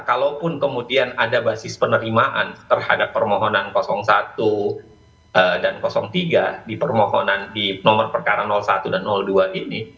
kalaupun kemudian ada basis penerimaan terhadap permohonan satu dan tiga di permohonan di nomor perkara satu dan dua ini